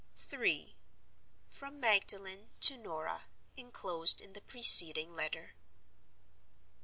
III. From Magdalen to Norah (inclosed in the preceding Letter).